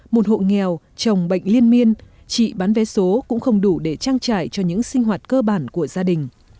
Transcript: một hộ nghèo chồng bệnh liên miên chị bán vé số cũng không đủ để trang trải cho những sinh hoạt cơ bản của gia đình